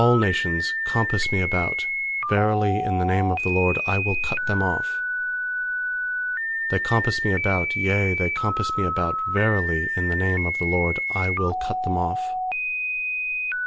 10A11 nations compass me about, Verily, in the name of the LORD I will cut them off. uThey compass me about, yea, they compass me about; Verily, in the name of the LORD I will cut them off.